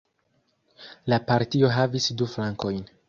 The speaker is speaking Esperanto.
La partio havis du flankojn.